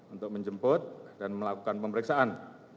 untuk menjemput dan melakukan pemeriksaan